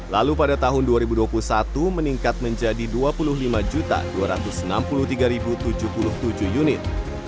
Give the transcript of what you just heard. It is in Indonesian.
lalu pada tahun dua ribu dua puluh satu meningkat menjadi dua puluh lima dua ratus enam puluh tiga tujuh puluh tujuh unit